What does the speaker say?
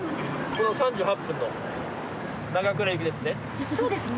この３８分の長倉行きですね。